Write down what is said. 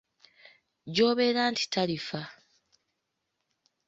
Gy'obeera nti talifa.